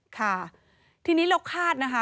ค่ะทีนี้เราคาดนะคะ